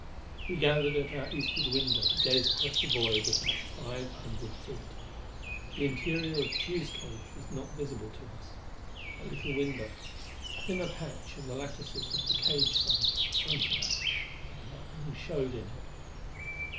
We gathered at our eastward window to gaze across the void of that five hundred feet. The interior of Tugh's cage was not visible to us. A little window a thinner patch in the lattices of the cage side fronted us; but nothing showed in it.